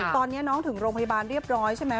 ตอนนี้น้องถึงโรงพยาบาลเรียบร้อยใช่ไหม